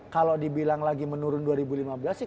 kalau dibilang lagi menurun dua ribu lima belas sih